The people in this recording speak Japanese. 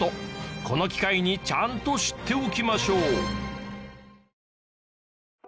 この機会にちゃんと知っておきましょう！